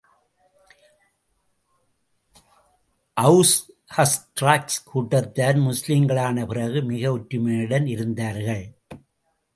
Aws, Khazraj கூட்டத்தார் முஸ்லீம்களான பிற்கு, மிக ஒற்றுமையுடன் இருந்தார்கள்.